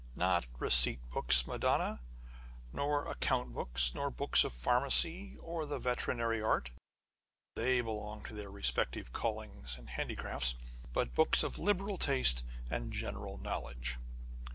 "Not receipt books, Madona, nor account books, nor books of pharmacy, or the veterinary art (they belong to their respective callings and handicrafts), but books of liberal taste and general knowledge."